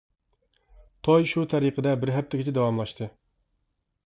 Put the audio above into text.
توي شۇ تەرىقىدە بىر ھەپتىگىچە داۋاملاشتى.